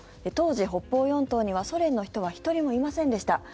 当時、北方四島にはソ連の人は１人もいませんでした。